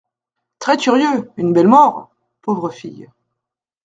Très curieux ! Une belle mort ! Pauvre fille.